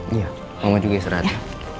iya mama juga serah aja